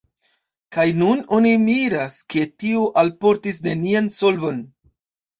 Kaj nun oni miras, ke tio alportis nenian solvon.